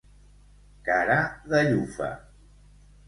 Cara de llufa.